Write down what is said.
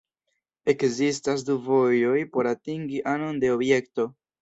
Ekzistas du vojoj por atingi anon de objekto.